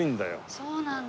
そうなんだ。